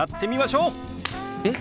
えっ？